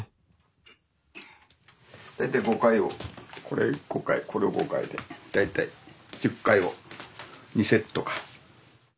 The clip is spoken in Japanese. これ５回これを５回で大体１０回を２セットか。